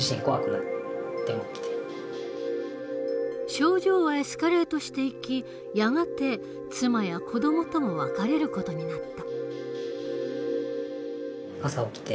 症状はエスカレートしていきやがて妻や子どもとも別れる事になった。